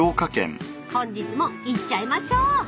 ［本日も行っちゃいましょう］